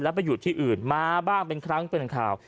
ไปอยู่ที่อื่นมาบ้างเป็นครั้งเป็นข่าว